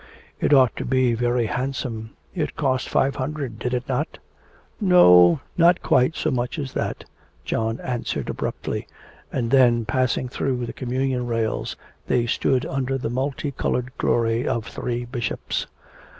'It ought to be very handsome; it cost five hundred, did it not?' 'No, not quite so much as that,' John answered abruptly; and then, passing through the communion rails, they stood under the multi coloured glory of three bishops.